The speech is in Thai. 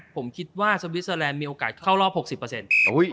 ผมคิดว่าสวิสเตอร์แลนด์มีโอกาสเข้ารอบหกสิบเปอร์เซ็นต์